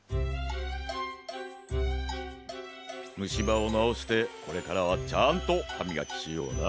むしばをなおしてこれからはちゃんとはみがきしような。